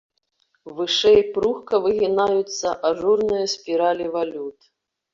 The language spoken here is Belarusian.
Вышэй пругка выгінаюцца ажурныя спіралі валют.